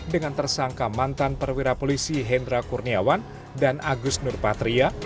dengan tersangka mantan perwira polisi hendra kurniawan dan agus nurpatria